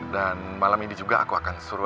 dan malam ini juga aku akan suruh